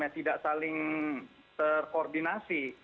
tidak saling terkoordinasi